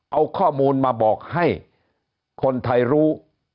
เอาข้อมูลมาบอกให้คนไทยรู้